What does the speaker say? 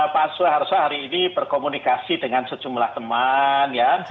pak soeharto hari ini berkomunikasi dengan sejumlah teman ya